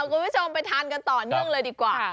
คุณผู้ชมไปทานกันต่อเนื่องเลยดีกว่า